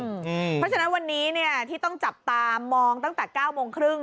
เพราะฉะนั้นวันนี้ที่ต้องจับตามองตั้งแต่๙โมงครึ่ง